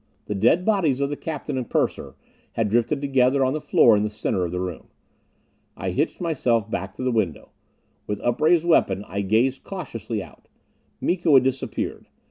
The dead bodies of the captain and purser had drifted together on the floor in the center of the room. I hitched myself back to the window. With upraised weapon I gazed cautiously out. Miko had disappeared.